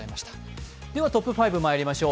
トップ５まいりましょう。